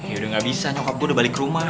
yaudah gak bisa nyokap gue udah balik rumah